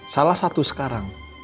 salah satu sekarang